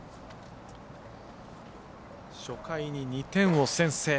初回に２点を先制。